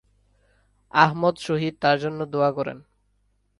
আহমদ শহীদ তার জন্য দোয়া করেন।